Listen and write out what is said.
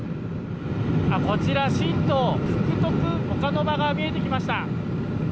こちら新島、福徳岡ノ場が見えてきました。